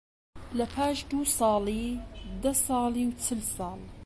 لەپاش دوو ساڵی، دە ساڵی و چل ساڵ